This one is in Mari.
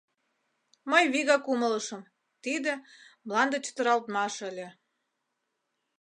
Мый вигак умылышым: тиде — мланде чытыралтмаш ыле.